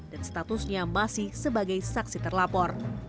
dan statusnya masih sebagai saksi terlapor